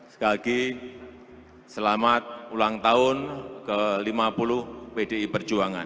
sekali lagi selamat ulang tahun ke lima puluh pdi perjuangan